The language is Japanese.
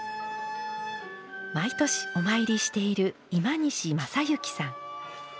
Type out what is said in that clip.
毎年お参りしている今西将之さん。